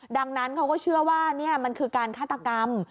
ดังนั้นเขาก็เชื่อว่านี่มันคือการฆาตกรรม